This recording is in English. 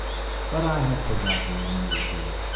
But I have forgotten the miniature.